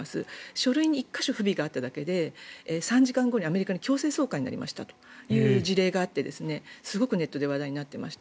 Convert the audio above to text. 書類に１か所不備があっただけで３時間後にアメリカに強制送還になったという事例があってすごくネットで話題になっていました。